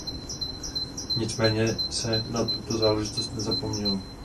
Nicméně se na tuto záležitost nezapomnělo.